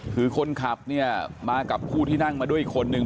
คือคนขับเนี่ยมากับผู้ที่นั่งมาด้วยอีกคนนึง